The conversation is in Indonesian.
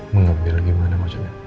mengambil gimana maksudnya